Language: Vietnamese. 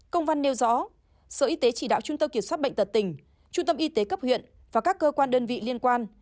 công văn nêu rõ sở y tế chỉ đạo trung tâm kiểm soát bệnh tật tỉnh trung tâm y tế cấp huyện và các cơ quan đơn vị liên quan